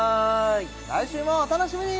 来週もお楽しみに！